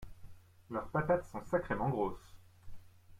Leurs patates sont sacrément grosses.